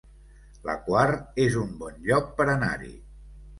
La Quar es un bon lloc per anar-hi